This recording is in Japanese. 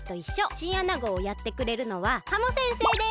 チンアナゴをやってくれるのはハモ先生です。